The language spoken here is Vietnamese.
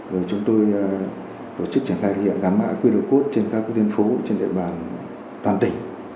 rồi chúng tôi đổ chức triển khai thực hiện gắn mã quy luật cốt trên các quy định phố trên địa bàn toàn tỉnh